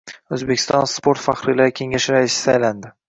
O‘zbekiston sport faxriylari kengashi raisi saylandi